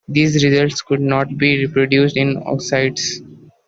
These results could not be reproduced in oocytes.